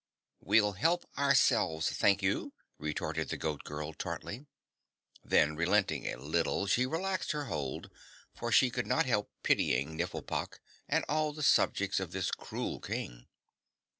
"We'll help ourselves, thank you," retorted the Goat Girl tartly. Then relenting a little, she relaxed her hold, for she could not help pitying Nifflepok and all the subjects of this cruel King.